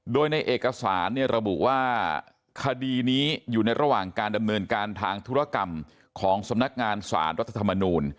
โดยในเอกสารระบุว่าคดีนี้อยู่ในระหว่างการดำเนินการทางธุรกรรมของสำนักงานสารรัฐธรรมนูล